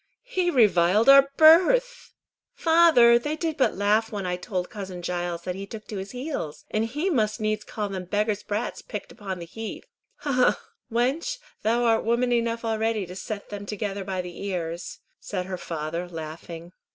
"He reviled our birth." "Father! they did but laugh when I told cousin Giles that he took to his heels, and he must needs call them beggars' brats picked up on the heath." "Ha! ha! wench, thou art woman enough already to set them together by the ears," said her father, laughing.